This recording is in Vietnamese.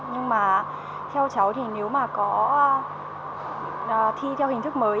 nhưng mà theo cháu thì nếu mà có thi theo hình thức mới